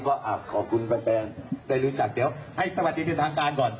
ก็ขอบคุณแปลงได้รู้จักเดี๋ยวให้ตลอดที่ด้วยทางการก่อน